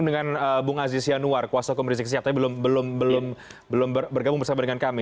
saya sudah berbicara dengan bung aziz yanuar kuasokom rizik siap tapi belum bergabung bersama dengan kami